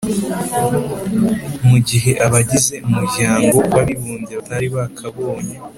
mu gihe abagize umuryango w'abibumbye batari bakabonye